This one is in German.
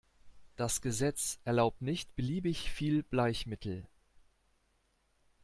Das Gesetz erlaubt nicht beliebig viel Bleichmittel.